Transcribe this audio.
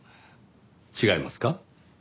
違いますか？